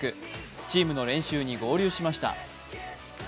チームの練習に合流しました。